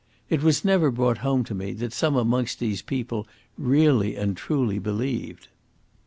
It was never brought home to me that some amongst these people really and truly believed.